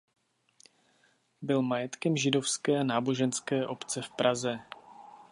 Byl majetkem Židovské náboženské obce v Praze.